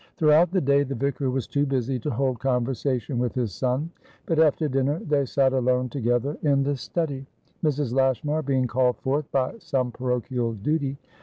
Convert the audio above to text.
Throughout the day, the vicar was too busy to hold conversation with his son. But after dinner they sat alone together in the study, Mrs. Lashmar being called forth by some parochial duty.